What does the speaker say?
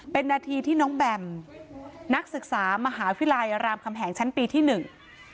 เป็นนาทีที่น้องแบมนักศึกษามหาวิทยาลัยรามคำแหงชั้นปีที่หนึ่ง